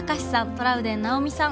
トラウデン直美さん